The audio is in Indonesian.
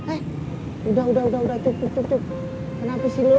eh udah udah cukup kenapa sih lo